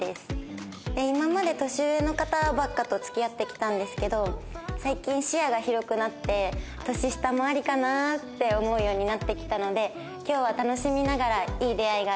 今まで年上の方ばっかと付き合ってきたんですけど最近視野が広くなって年下もありかなって思うようになってきたので今日は楽しみながらいい出会いがあるとうれしいです。